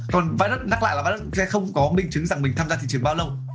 còn virus nắc lại là virus sẽ không có minh chứng rằng mình tham gia thị trường bao lâu